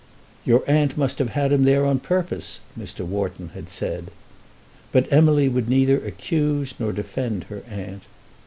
"Your aunt must have had him there on purpose," Mr. Wharton had said. But Emily would neither accuse nor defend her aunt.